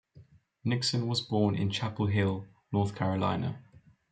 Nixon was born in Chapel Hill, North Carolina.